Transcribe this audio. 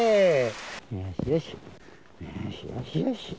よしよし、よーしよしよし。